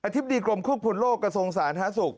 อธิบดีกรมคุกผลโลกกระทรงสารท้าสุข